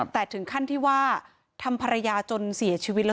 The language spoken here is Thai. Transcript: แต่ถึงขั้นที่ว่าทำภรรยาจนเสียชีวิตแล้ว